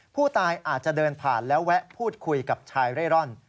ผู้ตายอาจจะเดินผ่านแล้วแวะพูดคุยกับชายเร่ร่อน